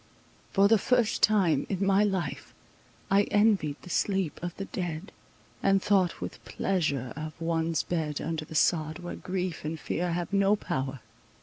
For the first time in my life I envied the sleep of the dead, and thought with pleasure of one's bed under the sod, where grief and fear have no power.